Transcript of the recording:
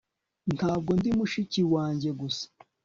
ntabwo ndi mushiki wanjye gusa